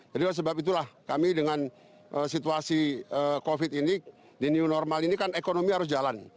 jadi sebab itulah kami dengan situasi covid ini di new normal ini kan ekonomi harus jalan